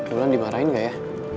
mulan dimarahin gak ya